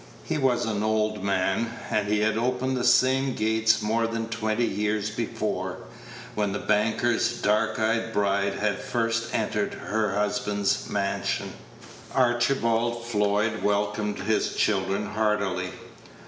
He was an old man, and he had opened the same gates more than twenty years before, when the banker's dark eyed bride had first entered her husband's mansion. Archibald Floyd welcomed his children heartily.